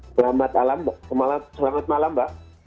selamat malam mbak